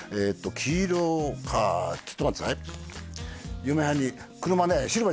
黄色かちょっと待ってくださいどう？